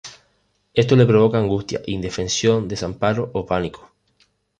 Esto le provoca angustia, indefensión, desamparo o pánico.